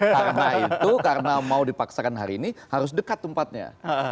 karena itu karena mau dipaksakan hari ini harus dekat tempatnya